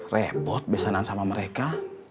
repot besanan sama mereka